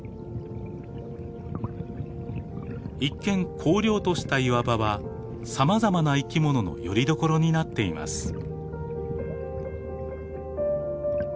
一見荒涼とした岩場はさまざまな生き物のよりどころになっています。